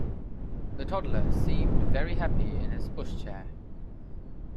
The toddler seemed very happy in his pushchair